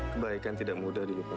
kebaikan tidak mudah dilupakan